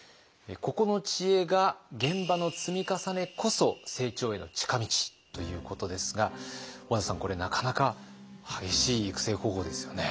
ここの知恵が「現場の積み重ねこそ成長への近道」ということですが小和田さんこれなかなか激しい育成方法ですよね。